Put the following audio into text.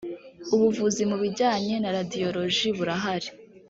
ubuvuzi mu bijyanye na radiyoloji burahari